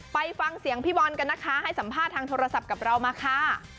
ไปฟังเสียงพี่บอลกันนะคะให้สัมภาษณ์ทางโทรศัพท์กับเรามาค่ะ